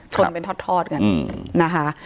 ชนเป็นทอดกันนะคะ